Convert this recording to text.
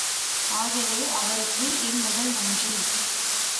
ஆகவே அவருக்கு என் முதல் நன்றி.